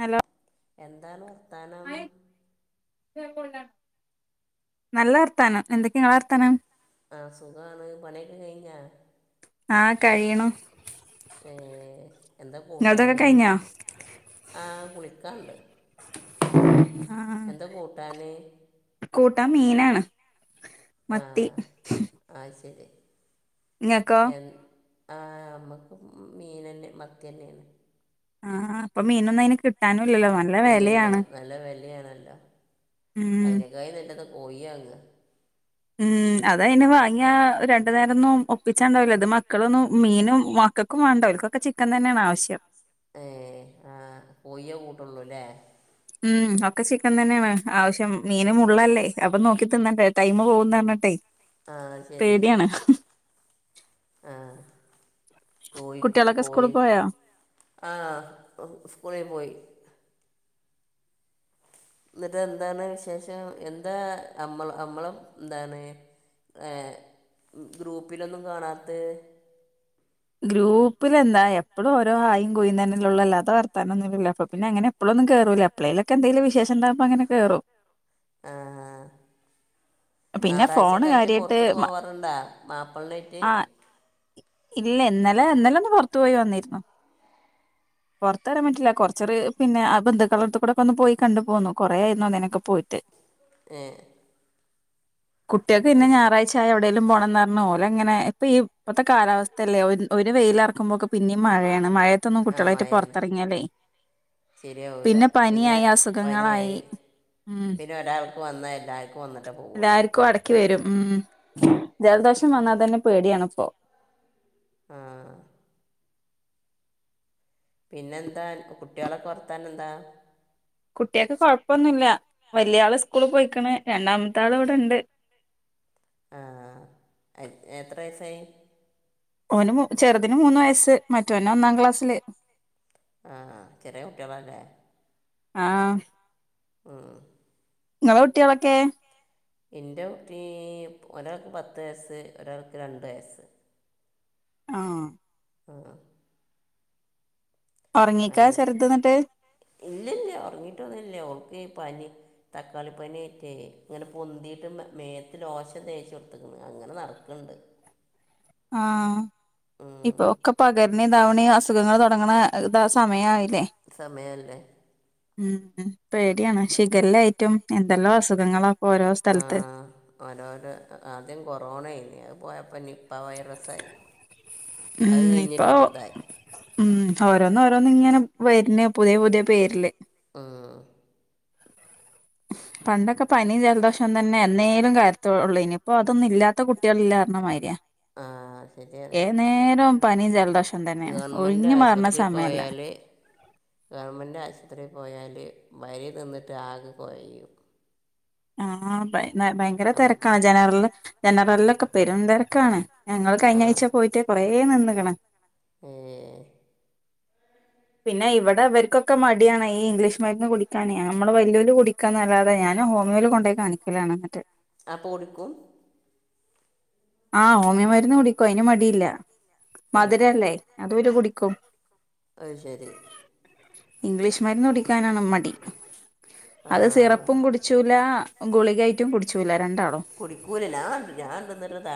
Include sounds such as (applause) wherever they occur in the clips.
Hello? എന്താണ് വർത്താനം. നല്ല വർത്താനം എന്തൊക്കെ നിങ്ങള വർത്താനം ആഹ് സുഖാണ് പണി കെ കയ്ഞ്ഞാ ആ കഴിയ്ണു ഏ എന്ത നിങ്ങൾതൊക്കെ കൂട്ടാന് കഴിഞ്ഞോ ആ കുളിക്കാണ്ട് ആഹ് എന്ത കൂട്ടാന് കം മീനാണ് മത്തി ആഹ് ആ ശരി. ങ്ങക്കൊ എൻ ആ അമ്മക്കും മീനന്നേ മത്തിന്നെ. ആഹ് പ്പൊ മീനൊന്നും അയ് ന് കിട്ടാനു ഇല്ലല്ല നല്ല വെലയാണല്ലോ ഉം അയ് നക്കായി നല്ലത്! കോയി യാങ്ങ ഉം അതയ് ന് വാങ്ങിയ രണ്ടു നേരംന്നും ഒപ്പിച്ചാ ണ്ടാവൂല്ല ഇത് മക്കളൊന്നും മീനും വാ ക്കക്കും വാണ്ട ഓൽക്കൊക്ക ചിക്കൻ തന്നെണ് ആവ്ശ്യം. ഏഹ് ആഹ് പോയേ കൂട്ടൊള്ളൂല്ലേ ഉം ഒക്കെ ചിക്കൻ തന്നെയാണ് ആവശ്യം മീന് മുള്ളെല്ലേ അപ്പൊ നോക്കി തിന്നണ്ടെ ടൈമ് പോകുന്ന് പറ്ഞ്ഞിട്ടെ ആഹ് ശെരി ആഹ് കോയിക്ക് കുട്ടികളൊക്കെ സ്കൂളിൽ കോയി പോയോ ആഹ് സ്കൂളി പോയി എന്നിട്ട് എന്താണ് വിശേഷം എന്താ അമ്മള അമ്മളെ എന്താണ് ഏഹ് ഗ്രൂപ്പിലൊന്നും കാണാത്തെ ഗ്രൂപ്പിലെന്താ എപ്പളും ഓരോ ഹായും കൂയും തന്നെല്ലൊള്ളു. അല്ലാത്ത വർത്താനൊന്നില്ലല്ലൊ. അപ്പം പിന്നെ അങ്ങനെ എപ്പളും ഒന്നും കേറൂല്ല എപ്പ്ളേലൊക്കെ എന്തങ്കിലും വിശേഷ ഇണ്ടാക്മ്പം അങ്ങനെ കേറും ആഹ് പിന്നെ ഫോണ് ഞാറാഴ്ചൊക്കായിട്ട് കാര്യായിട്ട് പൊറ്ത്ത്ക്ക് മ- പോവാറുണ്ടാ മാപ്ലനായിട്ട് ആ ഇല്ല ഇന്നലെ ഇന്നലൊന്ന് പൊറത്തു പോയി വന്നിര്ന്നു പൊറത്ത് വരാൻ പറ്റില്ല കൊറ്ച്ചൊരു പിന്നെ ആ ബന്ധുക്കളട്ത്തു കൂടെ ഒന്ന് പോയി കണ്ടു പോന്നു കൊറേ ആയിരുന്നു അന്നേനൊക്കെ പോയിട്ട് ഏ കുട്ട്യക്ക് അത് പിന്നെ ശ- ഞായറാഴ്ച ആയ എവിടേലും പോണന്നറഞ്ഞ് ഓലങ്ങനെ ഇപ്പം ഈ ഇപ്പത്തെ കാലാവസ് ഥല്ലേ ഒ ഒരു വെയിലെറക്കുമ്പോക്ക് പിന്നെയും മഴയാണ് മഴയത്തൊന്നും കുട്ട്യളായിട്ട് പൊറത്തറങ്ങിയാല്ലേ ശരിയാവൂല്ല പിന്നെ അസുഖങ്ങളായി പനിയായി ഉം പിന്നെ ഒരാൾക്ക് വന്ന എല്ലാർക്കും വന്നിട്ടേ പോവുള്ളു എല്ലാർക്കും അടക്കി വരും ഉം ജലദോഷം വന്നാ തന്നെ പേടിയാണ് ഇപ്പോ ആഹ് പിന്നെ എന്താ അന്ക്ക് കുട്ട്യാളൊക്കെ വർത്താനന്താ വല്ല്യാള് സ്കൂള് പോയിക്ക്ണ് രണ്ടാമത്തെ ആള് ഇവിടെണ്ട് ആഹ് എയ് എത്ര വയസായി ഓന് മു ചെറുതിന് മൂന്ന് വയസ്സ് മറ്റവന് ഒന്നാം ക്ലാസ്സില് ആഹ് ചെറിയ കുട്ടിയളാല്ലേ ആഹ് ഉം ഇങ്ങളെ കുട്ട്യാളൊക്കെ എന്റെ കുട്ടീ ഒരാൾക്ക് പത്ത് വയസ്സ് ഒരാൾക്ക് രണ്ട് വയസ്സ് ആഹ് ആ ഒറങ്ങിക്കാ അങ്ങ് ചെറുത് എന്നിട്ട് ഇല്ലില്ല ഒറങ്ങീട്ടൊന്നില്ല ഓക്കെ പനി തക്കാളി പനിയായിറ്റേ ഇങ്ങനെ പൊന്തീട്ട് മെ മേത്ത് ലോഷൻ തേച്ച് കൊടുത്തിക്ക്ണ് ഇങ്ങനെ നടക്ക്ണ്ട് ആഹ് ഉം. ഇപ്പൊ ഒക്കെ പകര്ണെ ഇതാവണെയും അസുഖങ്ങള് തൊടങ്ങ്ണ ഇതാ സമയായി സമയല്ലേ ഉം പേടിയാണ് ഷിഖല്ലായിട്ടും എന്തെല്ലാം അസുഖങ്ങളാ ഇപ്പൊ ഓരോ ആ സ്ഥലത്ത് ഓരോരോ ആദ്യം കൊറോണേനി അത് പോയപ്പം നി പ്പ വൈറസായി അത് ഉം ഇപ്പൊ കഴിഞ്ഞിട്ട്പ്പതായി ഉം ഓരോന്ന് ഓരോന്ന് ഇങ്ങനെ വര്ന്ന് പുതിയ പുതിയ പേരില് ഉം പണ്ടെക്കെ പനിയും ജലദോഷം തന്നെ എന്നേലും കാലത്തോള്ളേനി ഇപ്പതൊന്നും ഇല്ലാത്ത കുട്ട്യാള് ഇല്ലാ പറ്ഞ്ഞമാരിയാ ആഹ് ശെരിയാണ് പനി ജലദോഷം തന്നെയാണ് ഗവൺമെന്റ് ഒഴിഞ്ഞു മാറുന്ന ആശുപത്രീ സമയമല്ല പോയാല് ഗവൺമെന്റ് ആശൂപത്രി പോയാല് വരി നിന്നിട്ട് ആകെ കൊഴയും ആഹ് ഭയ ഭയങ്കര തെരക്കാ ജനറില് ജനറ്ലൊക്കെ പെരും തെരക്കാണ് ഞങ്ങള് ആ കഴിഞ്ഞാഴ്ച പോയിട്ട് കൊറേ നിന്ന്ക്ക്ണ് ഏ പിന്നെ ഇവിടെ ഇവര്ക്കൊക്കെ മടിയാണ് ഈ ഇംഗ്ലീഷ് മര്ന്ന് കുടിക്കാനെ നമ്മള് വല്ല്യൊല് കുടിക്കാന്നല്ലാതെ ഞാ ഞാന് ഹോമിയോല് കൊണ്ടോയി കാണിക്കലാണ് ഇന്ന്ട്ട് അപ്പൊ കുടിക്കും ആഹ് ഓമിയോ മരുന്ന് കുടിക്കും അയിന് മടിയില്ല ആ മധുരല്ലേ അതു ഇവര് കുടിക്കും അത് ശരി ഇംഗ്ലീഷ് മരുന്ന് കുടിക്കാനാണ് മടി ആ അത് സിറപ്പും കുടിച്ചൂല ഗുളികായിട്ടും കുട്ച്ചൂല്ല കുടിക്കൂല ഞാ ഞാന് ന്നിട്ട് ത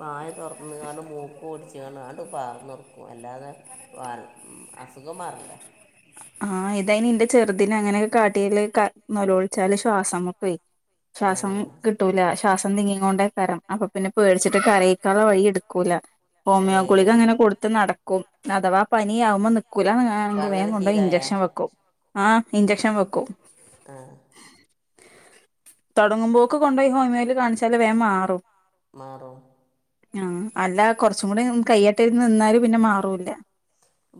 വായ തൊറന്ന്ങ്ങാണ്ട് മൂ ക്ക് പുടിച്ച്ങ്ങാണ്ട് ആട്ട് പാർന്നൊടുക്കും അല്ലാതെ പാർ മ് അസുഖ മാറണ്ടേ ആഹ് ഇതയിന് ഇന്റെ ചെറുതിനങ്ങനെ കാട്ടിയാല് ക നലോളിച്ചാല് ശ്വാസമുട്ടെ ആ ശ്വാസം കിട്ടൂല ശ്വാസം തിങ്ങീങ്ങോണ്ടേക്കാരം അപ്പൊ പിന്നെ പേടിച്ചിട്ട് കരീക്കാള്ള വഴി എടുക്കൂല ഹോമിയോ ഗുളിക്ക് ഏഹ് അങ്ങനെ കൊടുത്ത് നടക്കും അഥവാ പനിയാകുമ്പോൾ അപ്പൊ നിക്കൂലങ്ക അങ്ങനെ വേഗം കൊണ്ടോയി ഇംഗ്ലീ ശീലായാ ഇഞ്ചക്ഷൻ വെക്കും ആഹ് ഇഞ്ചക്ഷൻ വെക്കും ആ തുടങ്ങുമ്പോക്ക് കൊണ്ടുപോയി ഹോമിയോല് കാണിച്ചാല് വേഗം മാറും മാറും ആ അല്ല കുറച്ചും കൂടി കയ്യേട്ട ഇന്ന് നിന്നാല് പിന്നെ മാറൂ ഇല്ല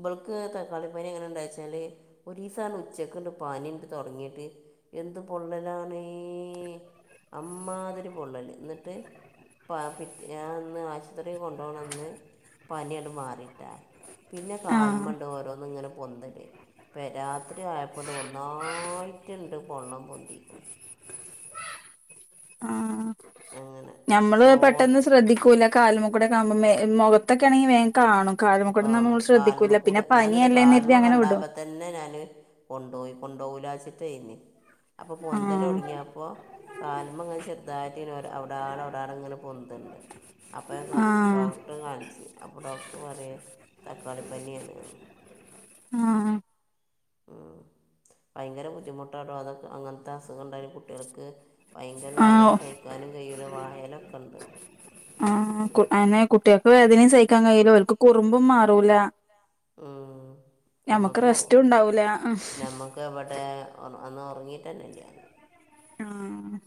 ബൾക്ക് തക്കാളിപനി എങ്ങനെ ഇണ്ടായെച്ചാല് ഒരീസം ഉച്ചക്ക് ഉണ്ട് പനിണ്ട് തൊടങ്ങിയിട്ട് എന്ത് പൊള്ളലാണേഅമ്മാതിരി പൊള്ളൽ എന്നിട്ട് പ പിറ്റ ഞാൻ അന്ന് ആശുപത്രി കൊണ്ടോണന്ന് പാനിയങ്ങട് മാറിട്ടാ പിന്നെ ആഹ് കാൽമണ്ട് ഓരോന്നും ഇങ്ങനെ പൊന്തല് പെരാ രാത്രി ആയപ്പോണ്ട് ഒന്നായിട്ടുണ്ട് പൊള്ള പൊന്തിക്കണ് ആ അങ്ങനെ ഞമ്മള് ചോർ പെട്ടെന്ന് ശ്രദ്ധിക്കൂല കാലുമക്കൂടെ ഒക്കെ ആവുമ്പോ മേ മുഖത്തൊക്കെയാണെങ്കി വേ കാണും കാൽമ കൂടെ ഞാൻ എന്നിട്ട് പനിയല്ലേന്ന് കാൽമ കരുതി അങ്ങനെ വിടും കണ്ടപ്പ തന്നെ ഞാന് കൊണ്ട് പോയി കൊണ്ടോവൂലാച്ചിട്ട് തയിന് അപ്പൊ പൊന്തൽ ആഹ് തൊടങ്ങി അപ്പോ കാലുമ്മങ്ങനെ ചെറുതായിട്ട് ങ്ങനെ ഒരാ അവിട് ധാരാളം അവിടെ ആടെ ഇങ്ങനെ പൊന്തണ്ട് അപ്പ ക ഞാൻ ആഹ് ഡോക്ടറെ കാണിച്ചു അപ്പോ ഡോക്ടർ പറഞ്ഞ തക്കാളി പനിയാണ്ന്ന് ആഹ് ഉം ഭയങ്കര ബുദ്ധിമുട്ടാട്ടോ അതൊക്കെ അങ്ങനത്തെ അസുഖം ഇണ്ടായാല് കുട്ടികൾക്ക് ഭയങ്കര വേദന ആഹ് സഹിക്കാനും കയ്യൂല വായലൊക്കെ ഉണ്ട് ആഹ് അങ്ങനെ കുട്ടികൾക്ക് വേദനയും സഹിക്കാൻ കഴിയില്ല ഓൽക്ക് കുറുമ്പും മാറൂല ഉം ഞമ്മക്ക് നമ്മക്ക് റെസ്റ്റും ഉണ്ടാവൂല ആഹ് ഒറക്ക് നമ്മക്കെവിടെ ഒന്ന് ഒറങ്ങി (unintelligible) ആഹ്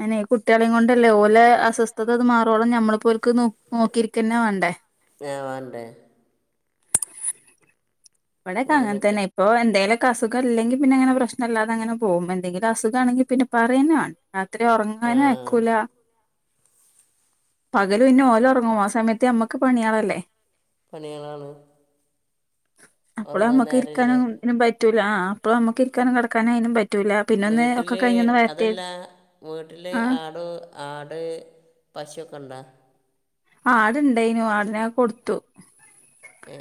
ആന്നെ കുട്ടികളെയും കൊണ്ടല്ലേ ഓലെ അസ്വസ്ഥത ഇത് മാറോളം ഞമ്മളിപ്പോ ഓൽക്ക് നോക്കിയിരിക്കെന്നെ വേണ്ടേ ആ വേണ്ടേ ഇവിടൊക്കെ അങ്ങനെ തന്നെ ഇപ്പോ എന്തേലും അസുഖ ഇല്ലെങ്കിൽ പിന്നെ പ്രശ് പ്രശ്നല്ലാതെ അങ്ങനെ പോകും എന്തെങ്കിലും അസുഖാണെങ്കി പിന്നെ പറയന്ന വേണ്ട രാത്രി ആ ഒറങ്ങാനും ആയക്കൂല പകല് പിന്നെ ഓല് ഒറങ്ങും ആ സമയത്ത് ഞമ്മക്ക് പണിയളല്ലേ പണികളാണ് അപ്പോള് ഉറങ്ങാൻ നമ്മുക്ക് നേരമില്ല ഇരിക്കാനും ഇനും പറ്റൂല അപ്പോൾ നമ്മക്ക് ഇരിക്കാനും കെടക്കാനും അയിനും പറ്റു വീട്ടില് അതല്ല വീട്ടില് ആഹ് ആട് ആട് പശുവൊക്കണ്ടാ ആടുണ്ടായിനു ആടിനെ ഒക്കെ കൊടുത്തു ഏ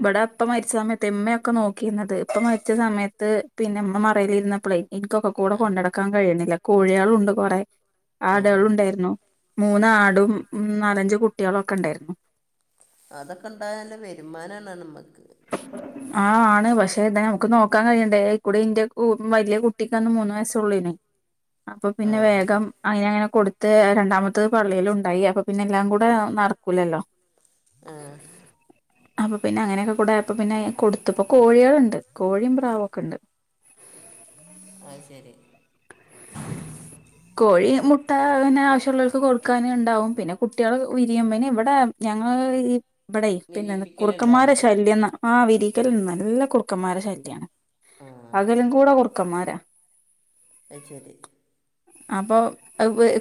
ഇവടെ ഇപ്പ മരിച്ച സമയത്തേ ഇമ്മയൊക്കെ നോക്കിയിരുന്നത് ഇപ്പ മരിച്ച സമയത്ത് പിന്നുമ്മ മറയിലിരുന്നപ്പഴേ എനിക്കൊക്കെ കൂടെ ആ കൊണ്ട് നടക്കാൻ കഴിയണില്ല കോഴികളുണ്ട് കൊറെ ആ ആടുകളുണ്ടായിരുന്നു മൂന്നാടും നാലഞ്ച് കുട്ട്യോളോക്കെ ഇണ്ടായിരുന്നു അതൊക്കെ ഇണ്ടായ നല്ല വരുമാനാണ് നമ്മക് ആ ആണ് പക്ഷേ ഇതെ നമ്മുക്ക് നോക്കാൻ കഴിയണ്ടേ അയ് കൂടെ ഇന്റെ കു വലിയ കുട്ടിക്കന്ന് മൂന്ന് വയസ്സേ ഇള്ളുവേ (unintelligible) അപ്പൊ ആ പിന്നെ വേഗം അയ്നങ്ങനെ കൊടുത്ത് രണ്ടാമത്തത് പള്ളേലുണ്ടായി അപ്പൊ പിന്നെ എല്ലാം കൂടെ നടക്കൂലല്ലോ ആ അപ്പൊ പിന്നെ അങ്ങനൊക്കെ കൂടെ പിന്നെ കൊടുത്ത്പ്പോ കോഴികളുണ്ട് കോഴിം പ്രാവൊക്കെ ഇണ്ട് അത് ശെരി ട്ട പിന്നെ ആവശ്യോള്ളോലിക്ക് കൊടുക്കാന് ഇണ്ടാവും പിന്നെ കുട്ടികള് വിരിയും പിന്നെ ഇവടെ ഞങ്ങള് ഈ ഇവടെ പിന്നെ ന്ന വിരിയിപ്പിക്കലുണ്ടോ കുറുക്കൻമാരെ ശല്യംന്ന് ആ വിരിക്കല് നല്ല കുറുക്കന്മാരെ ശല്ല്യാണ് ആ പകലും കൂടെ കുറുക്കന്മാരാ അയ് ശെരി അപ്പൊ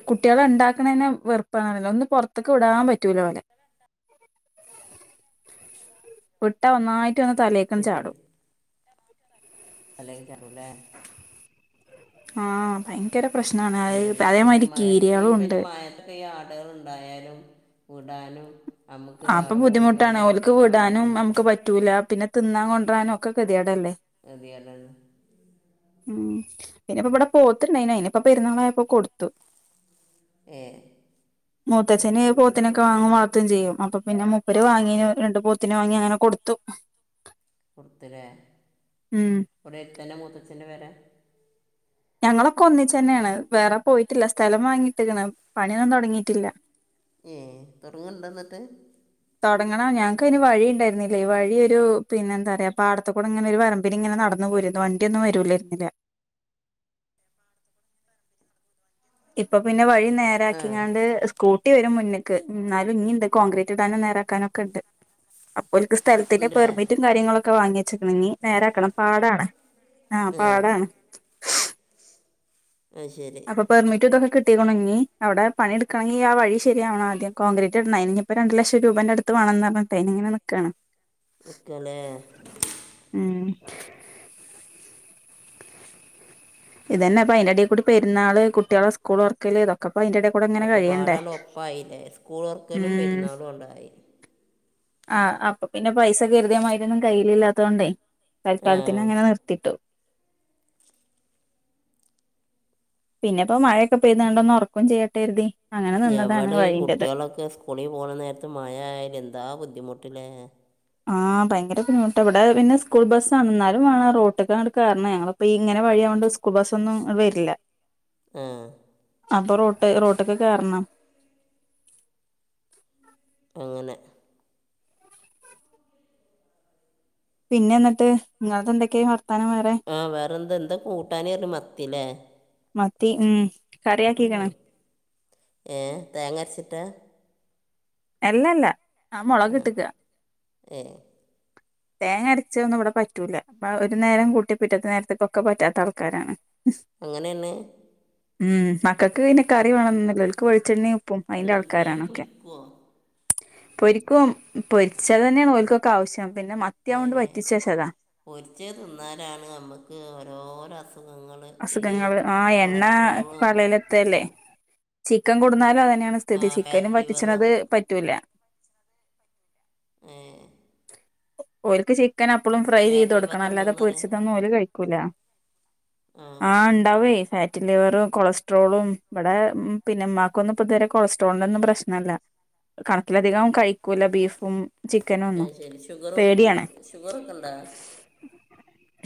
കുട്ട്യോളെ ഇണ്ടാക്കണേന് വെറുപ്പാണല്ലോ ഒന്ന് പൊറത്തക്ക് വിടാൻ പറ്റൂല ഓലെ വിട്ട ഒന്നായിട്ട് വന്ന് തലേക്കങ്ങ് ചാടും തലയിൽ കേറൂലെ ആ ഭയ് അങ്ങനെ പിന്നെ മഴ പിന്നെ ഉണ്ട് മഴത്തൊക്കെ ഈ ആടുകള് ഇണ്ടായാലും വിടാനും നമുക്ക് അപ്പൊ അവിടെ പോയി ബുദ്ധിമുട്ടാണ് കണ്ട് ഓല്ക്ക് വിടാനും ബുദ്ധിമുട്ട് നമ്മുക്ക് പറ്റൂല പിന്നെ തിന്നാൻ കൊണ്ടാ രാനും ഒക്കെ ഗതികേടല്ലേ കേതിടാണ് ആണ് ഉം പിന്നെ ഇപ്പ ഇവടെ പോത്തിണ്ടായിന് അയിനിപ്പ പെരുന്നാളായപ്പോ കൊടുത്തു ഏ മൂത്തച്ഛന് പോത്തിനൊക്കെ വാങ്ങും വളർതേം ചെയ്യും അപ്പൊ പിന്നെ മൂപ്പര് വാങ്ങീ രണ്ട് പോത്തിനെ വാങ്ങി അങ്ങനെ കൊടുത്തു കൊടുത്തല്ലേ ഉം വടെ എടുത്തന മുത്തച്ഛന്റെ പേര ഞങ്ങളൊക്കെ ഒന്നിച്ചന്നാണ് വേറെ പോയിട്ടില്ല സ്ഥലം വാങ്ങിട്ടേക്കണ് പണിയൊന്നും തൊടങ്ങിയിട്ടില്ല ഏ തൊടങ്ങ്ണ്ട ന്നിട്ട് തൊടങ്ങണം ഞങ്ങൾക്കയ്ന് വഴിണ്ടായിരുന്നില്ല ഈ വഴി ഒരു പിന്നെന്താറയാ പടത്തേക്കൂടെ ഇങ്ങനെ ഒരു വരമ്പിന് ഇങ്ങനെ നടന്ന് നടന്നുപോരും വണ്ടിഒന്നും വരൂലയിരുന്നില്ല ഇപ്പൊ പിന്നെ വഴി ആ നേരാക്കിങ്ങാണ്ട് സ്കൂട്ടി വരും മുന്ന് ക്ക് ന്നാലും ഇനീ ഇണ്ട് കോൺക്രീറ്റ് ഇടാനും നേരാക്കാനോക്കെ ഇണ്ട് അപ്പോല്ക്ക് സ്ഥലത്തിന്റെ ഉണ്ടല്ലേ പെർമിറ്റും കാര്യങ്ങളൊക്കെ വാങ്ങിച്ചേക്കണ്‌ നീ നേരാക്കണം പാടാണ് ആ ഏ പാടാണ് അത് ശരി അപ്പൊ പെർമിറ്റോക്കെന്ന് കിട് ണങ്ങി അവടെ പണ്യേടുകണെങ്കെ ആ വഴി ശരിയാവണം ആദ്യം കോൺക്രീറ്റ് ഇടണെ ഇനിപ്പോ രണ്ട് ലക്ഷം രൂപാന്റെ അടുത്ത് വാണം ന്ന പറഞ്ഞിട്ടേ അയ്നി ഇങ്ങനെ നിക്കാണ് നിക്കാലേ ഉം ഇതന്നെ ഇപ്പ അയിന്റെ അട്യകൂടി പെരുന്നാള് കുട്ടികളെ സ്കൂള് തൊർക്കല് ഇതൊക്കെ ഒക്കെ പാടാട്‌ ഒപ്പായില്ലേ സ്കൂള് തൊർക്ക്ലും പെരുന്നാളും ണ്ടായി ആ അപ്പൊ പിന്നെ പൈസ കരുത്യേമതിര്യോന്നും കയ്യില്ല്ലാത്തോണ്ടേ ആ തൽക്കാലത്തിന് അങ്ങനെ നിർത്തിട്ടു പിന്നെ ഇപ്പോ മഴൊക്കെ പെയ്താണ്ടൊന്ന് ഒറക്കും ചെയ്യട്ടെരുതി എവടെ ഈ കുട്ട്യോളൊക്കെ സ്കൂളി പോണ നേരത്ത് മയ ആയാല് എന്താ ബുദ്ധി മുട്ട്ല്ലേ ആ ഭയങ്കര ബുദ്ധിമുട്ടാ ഇവടെ പിന്നെ സ്കൂൾ ബസാണ്‌ ന്നാലും വേണം റോട്ട്ക്കങ്ങ്ട് കേറണേ ഞങ്ങള് ഇപ്പൊ ഈ ഇങ്ങനെ വഴി വഴ്യയൊണ്ട് സ്കൂൾ ബസ്സൊന്നും വരില്ല ആ അപ്പൊ റോട്ട് റോട്ട്ക്ക്‌ കേറണം അങ്ങനെ പിന്നെ ന്നിട്ട് ങ്ങളതെന്തൊക്കെയാ വ ആ വേറെന്ത ന്താ കൂട്ടാന് പറാഞ്ഞെ മത്തിലേ ത്തി മ്മ് ഏ തേങ്ങരച്ചിട്ടാ? അല്ലല്ല ഞാൻ മുളകിട്ടക്ക ഏ തേങ്ങ അരച്ചതൊന്നും ഇവിടെ പറ്റൂല പ്പാ ഒരു നേരം കൂട്ടിപ്പിറ്റത്തെ നേരത്തേക്കൊക്കെ പറ്റാത്ത ആൾക്കാരാണ് അങ്ങനെ തന്നെ ഉം മക്കൾക്ക് പിന്നെ കറി വേണംന്ന്ല്ല ഓൽക്ക് വെൾച്ചെണ്ണീം ന്നട്ട് മീൻ പൊരിക്കുവോ പൊരിക്കും പൊരിച്ചെതന്നേണ് ഓൽക്കൊക്കെ ആവശ്യം പിന്നെ മത്തിയാവോണ്ട് വറ്റിച്ച് വെച്ചതാ പൊരിച്ചെ തിന്നാലാണ് നമ്മക്ക് ഓരോരോ അസു അസുഖങ്ങള് ആഹ് എണ്ണ കൊളസ്ട്രോളും പള്ളേലെത്തല്ലേ ചിക്കം കൊടുന്നാലും അത ന്നേണ് ആ സ്ഥിതി ചിക്കനും ഫാറ്റ് ലിവറും വറ്റിച്ച്ണത് പറ്റൂല ഏഹ് ഓല്ക്ക് ചിക്കൻ അപ്പളും ഫ്രൈ ചെയ്ത് കൊടുക്കണം ലിവറൊക്കെ അല്ലാതെ ഉണ്ടോയെന്ന് അറിയാം പൊരിച്ചതൊന്നും ഓല് കഴിക്കൂല ആ ആഹ് ഇണ്ടാവേയ് (unintelligible) റ്റി ലിവറും കൊളസ്ട്രോളും ഇവടെ പിന്നെ ഇമ്മാക്കൊന്നും ഇപ്പതെരെ കൊളസ്ട്രോളിനൊന്നും പ്രശ്നല്ല കണക്ക് അധികം കഴി ക്കൂല ബീഫും ആ ചിക്കനൊന്നും ശരി ഷുഗറും പേട്യാണ്. ഷുഗറൊക്കെ ഉണ്ടോ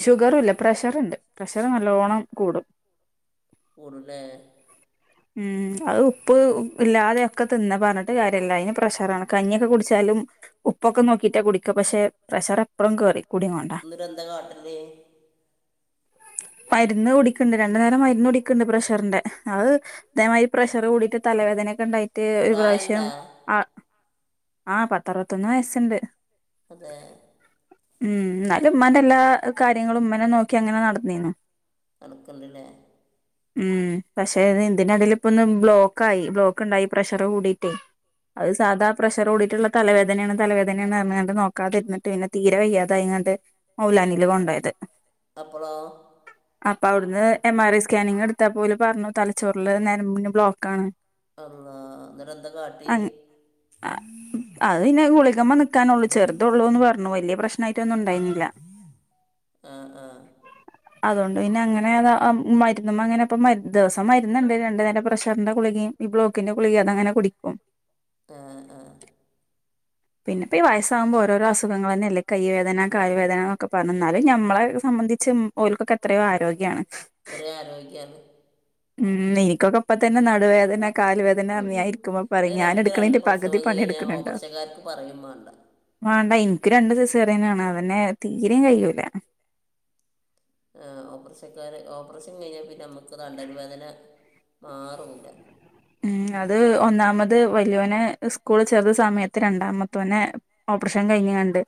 ഷുഗറ്ല്ല പ്രഷറ്ണ്ട് പ്രഷർ നല്ലോണം കൂടും. കൂടുലേ ഉം അത് ഉപ്പ് ഇല്ലാതെക്കെ തിന്ന പർഞ്ഞിട്ട് കാര്യല്ലാ അയ്‌ന് പ്രഷറാണ് കഞ്ഞ്യൊക്കെ കുട്ച്ചാല് ഉം ഉപ്പൊക്കെ നോക്കിട്ടാ കുടിക്ക പക്ഷെ പ്രഷറെപ്പളും കേറി. കുടികൊണ്ടാ ന്നട്ടെന്താ കാട്ടല്? മര്ന്ന് കുടിക്ക്‌ണ്ട് രണ്ടു നേരം മര്ന്ന് കുടിക്ക്‌ണ്ട് പ്രഷറിന്റെ അത് തേമാതിരി പ്രഷർ കൂടിട്ട് തലവേ ദനൊക്കെ ണ്ടായിട്ട് ഒരു പ്രാവശ്യം പ്രായമുണ്ടാ ആ ആഹ് പത്തറുപത്തൊന്ന് വയസ്സ്ണ്ട്. അതേ ഉം ന്നാലും ഇമ്മാന്റെ എല്ലാ കാര്യങ്ങളും ഇമ്മന്നെ നോക്കി അങ്ങനെ നടന്നീന്നു. അതൊക്കെണ്ട്ല്ലേ ഉം പക്ഷെ നിഇതിന്റെടെല് പ്പൊന്ന് ബ്ലോക്കായി ബ്ലോക്ക് ണ്ടായി പ്രഷറ് കൂടിട്ടേ അത് സാധാ പ്രഷറ് കൂടീട്ട്ള്ള തലവേദനെണ് തലവേദനെണർഞ്ഞാണ്ട്‌ നോക്കാതിര്ന്ന്ട്ട് പിന്നെ തീരെ വയ്യാതായി ങ്ങട്ട് മൗലാനീല് കൊണ്ടോയത്. അപ്പോളോ അപ്പവട്ന്ന് എം ആർ ഐ സ്കാനിങ് എട്ട്ത്തപ്പോല് പർഞ്ഞ് തലച്ചോറില് നരമ്പിന് ബ്ലോക്കാണ് അല്ലാഹ് ന്നട്ടെന്താ കാട്ട്യേ? അഹ് അത് പിന്നെ ഗുളികമ്മേനിക്കാനൊള്ളു ചെർതൊള്ളൂന്ന് പർഞ്ഞു വെല്യ പ്രശ്നായിട്ടൊന്നുണ്ടായില. ആഹ് ആഹ് ട്ട് പിന്നങ്ങനെ താ ആ മര്ന്ന്മ്മങ്ങനെപ്പ മര് ദിവസം മര്ന്ന്ണ്ട് രണ്ട് നേരം പ്രഷറിന്റെ ഗുളികിം ഈ ബ്ലോ ക്കിന്റെ ഗുളികിം അതങ്ങനെ കുടിക്കും. ഉം ഉം പിന്നെപ്പ ഈ വയസ്സാകുമ്പോ ഓരോരോ അസുഖങ്ങളെന്നല്ലേ കയ്യ് വേദന കാല് വേദന എന്നൊക്കെ പർഞ്ഞ് ന്നാലും ഞമ്മളെ സ സംബന്ധിച്ച് ഓൽക്കൊക്കെത്രയോ ആരോഗ്യാണ്. ത്രയോ ആരോഗ്യാണ്. ഉം ഇൻക്കൊക്കെ ഇപ്പത്തന്നെ നടുവേദന കാല് വേദനാർഞ്ഞ് ഞായിര്ക്കുമ്പോ അത് പറയും. നമുക്ക് രണ്ട് ഞാന്ട്ക്ക്‌ണീന്റെ പകുതി പ്രസവം കഴിഞ്ഞാൽ പണിയെടുക്ക്ണണ്ടോ. ഓപ്പറേഷക്കാർക്ക് പറയും വേണ്ട വാണ്ട ഇൻക്ക്‌ രണ്ട് സിസേറിയനാണ് അതന്നെ തീരിം കയ്യൂല. ആ ഓപ്പറേഷക്കാരെ ഓപ്പറേഷൻ കഴിഞ്ഞ പിന്നെ അമ്മക്ക് തണ്ടൽ വേദന മാറൂല്ല. ഉം അത് ഒന്നാമത് വല്യോനെ സ്കൂളിൽ ചേർത്ത സമയത്ത് രണ്ടാമത്തോനെ ഓപ്പറേഷൻ കഴിഞ്ഞ ണ്ട്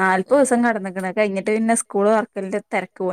നാൽപ്പൂസം കെടന്ന്ക്ക്ണ്. കഴിഞ്ഞിട്ടു പിന്നെ സ്കൂളു തൊർക്കലിന്റെ തെ ര്ക്കുവ